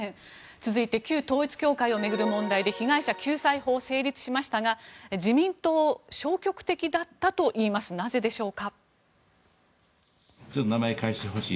続いて旧統一教会を巡る問題で被害者救済法成立しましたが自民党、消極的だったといいますなぜでしょうか。